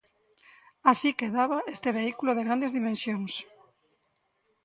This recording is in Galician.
Así quedaba este vehículo de grandes dimensións.